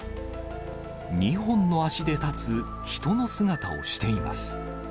２本の足で立つ人の姿をしています。